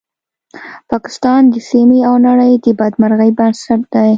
پاکستان د سیمې او نړۍ د بدمرغۍ بنسټ دی